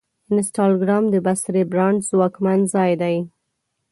انسټاګرام د بصري برانډ ځواکمن ځای دی.